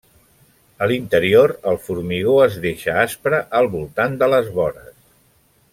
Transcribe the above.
A l'interior, el formigó es deixa aspre al voltant de les vores.